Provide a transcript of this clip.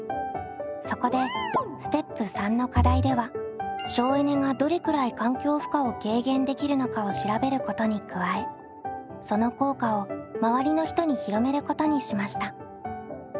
そこでステップ③の課題では省エネがどれくらい環境負荷を軽減できるのかを調べることに加えその効果をまわりの人に広めることにしました。